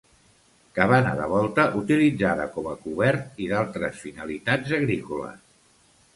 Cabana de volta utilitzada com a cobert i d'altres finalitats agrícoles.